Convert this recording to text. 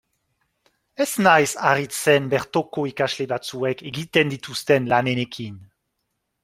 Ez naiz harritzen bertoko ikasle batzuek egiten dituzten lanenekin.